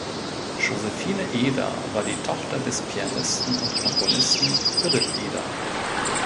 Josephine Eder war die Tochter des Pianisten und Komponisten Philipp Eder.